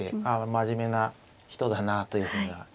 ああ真面目な人だなあというふうな。